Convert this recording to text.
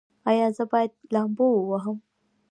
ایا زه باید لامبو ووهم؟